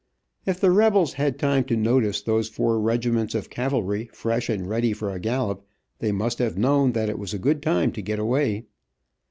If the rebels had time to notice those four regiments of cavalry, fresh and ready for a gallop, they must have known that it was a good time to get away.